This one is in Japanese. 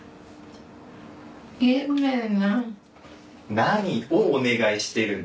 何をお願いしてるの？